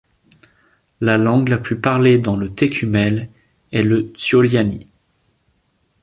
La langue la plus parlée dans Tékumel est le tsolyáni.